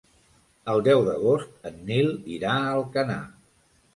El deu d'agost en Nil irà a Alcanar.